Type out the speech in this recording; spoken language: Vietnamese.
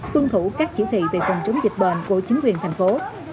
tuân thủ các chỉ thị về phòng chống dịch bệnh của chính quyền thành phố